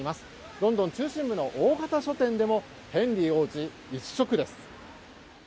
ロンドン中心部の大型書店でもヘンリー王子一色です。